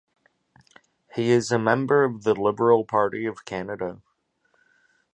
He is a member of the Liberal Party of Canada.